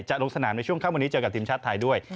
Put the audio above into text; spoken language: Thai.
ลงสนามในช่วงค่ำวันนี้เจอกับทีมชาติไทยด้วย